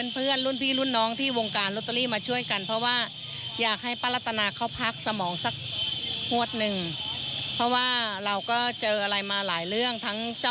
สื่อนี้รู้สึกจะเป็น๑๐วันแล้วนะ